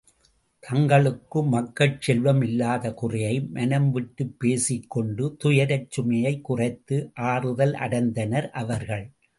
தங்களுக்கு மக்கட் செல்வம் இல்லாத குறையை மனம் விட்டுப் பேசிக் கொண்டு துயரச் சுமையைக் குறைத்து ஆறுதலடைந்தனர் அவர்கள்.